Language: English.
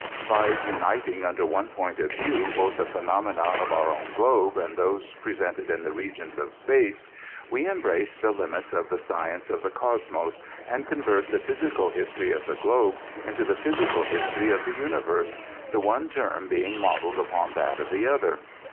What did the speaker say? '' By uniting, under one point of view, both the phenomena of our own globe and those presented in the regions of space, we embrace the limits of the science of the CosmoSt and con vert the physical history of the globe into the physical history of the universe, the one term being modeled upon that of the other.